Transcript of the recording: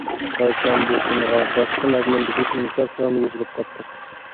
قارىسام بۇ تېمىغا باشقا مەزمۇندىكى ئىنكاسلارمۇ يېزىلىپ قاپتۇ.